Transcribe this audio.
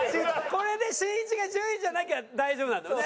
これでしんいちが１０位じゃなきゃ大丈夫なんだもんね。